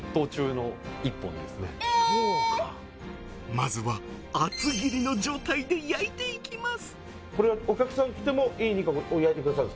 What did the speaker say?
まずは、厚切りの状態で焼いていきます。